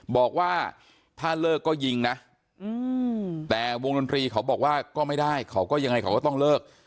บอกว่าถ้าเลิกก็ยิงนะแต่วงดนตรีเขาบอกว่าก็ไม่ได้เขาก็ยังไงเขาก็ต้องเลิก